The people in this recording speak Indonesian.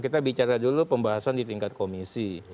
kita bicara dulu pembahasan di tingkat komisi